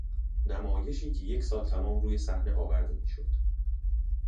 نمایشی که یک سال تمام روی صحنه آورده میشد